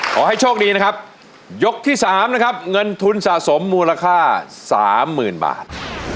ขอให้โชคดีนะครับยกที่๓นะครับเงินทุนสะสมมูลค่าสามหมื่นบาท